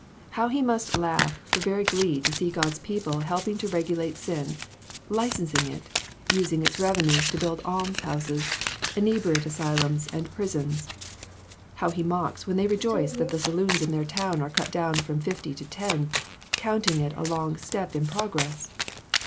How he must laugh for very glee to see God's people helping to regulate sin, licensing it, using its revenues to build almshouses, inebriate asylums and prisons. How he mocks when they rejoice that the saloons in their town are cut down from fifty to ten, counting it a long step in progress